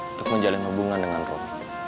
untuk menjalin hubungan dengan roh